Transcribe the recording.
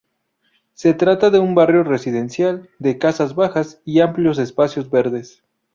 Se trata de un barrio residencial, de casas bajas y amplios espacios verdes.